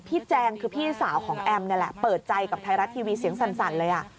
แจงคือพี่สาวของแอมนี่แหละเปิดใจกับไทยรัฐทีวีเสียงสั่นเลยอ่ะ